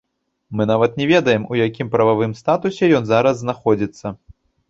Мы нават не ведаем, у якім прававым статусе ён зараз знаходзіцца.